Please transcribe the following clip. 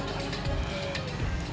aku akan membuatmu berhenti dari sini